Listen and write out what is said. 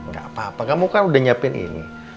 tsk nggak apa apa kamu kan udah nyiapin ini